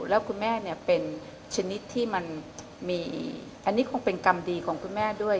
แล้วคุณแม่เนี่ยเป็นชนิดที่มันมีอันนี้คงเป็นกรรมดีของคุณแม่ด้วย